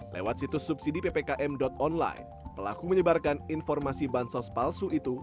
lewat situs subsidi ppkm online pelaku menyebarkan informasi bansos palsu itu